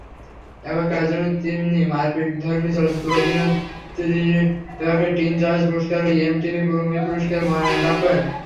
এই কাজের জন্য তিনি মারপিঠধর্মী চলচ্চিত্র অভিনেত্রী বিভাগে টিন চয়েজ পুরস্কার ও এমটিভি মুভি পুরস্কারের মনোনয়ন লাভ করেন।